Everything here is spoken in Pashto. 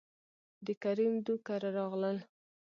دکريم دو کره راغلل،